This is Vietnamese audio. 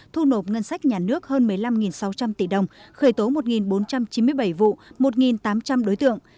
thu nộp ngân sách nhà nước hơn một mươi năm sáu trăm linh tỷ đồng khởi tố một bốn trăm chín mươi bảy vụ một tám trăm linh đối tượng